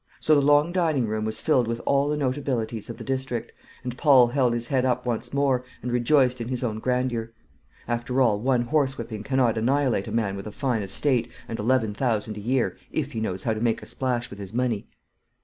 So the long dining room was filled with all the notabilities of the district, and Paul held his head up once more, and rejoiced in his own grandeur. After all, one horsewhipping cannot annihilate a man with a fine estate and eleven thousand a year, if he knows how to make a splash with his money.